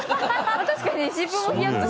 確かに湿布もヒヤッとします。